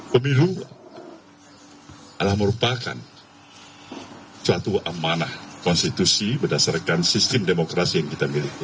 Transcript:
pemilu adalah merupakan suatu amanah konstitusi berdasarkan sistem demokrasi yang kita miliki